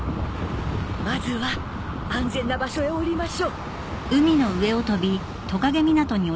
まずは安全な場所へ下りましょう。